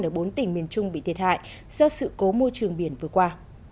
ở bốn tỉnh miền trung bị thiệt hại do sự cố môi trường biển vừa qua